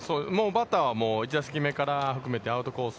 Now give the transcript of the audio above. バッターはもう１打席目から、含めて、アウトコース